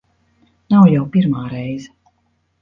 Nav jau pirmā reize.